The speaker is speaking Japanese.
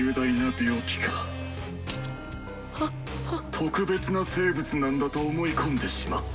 「特別な生物」なんだと思い込んでしまった。